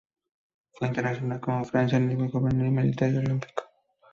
Fue internacional con Francia a nivel juvenil, militar y olímpico.